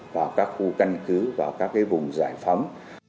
vào các khu căn cứ vào các vùng giải phóng